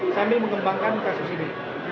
sambil mengembangkan kasus ini